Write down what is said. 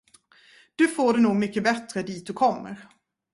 Du får det nog mycket bättre, dit du kommer.